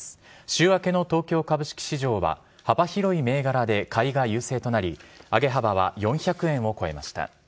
週明けの東京株式市場は、幅広い銘柄で買いが優勢となり、上げ幅は４００円を超えました。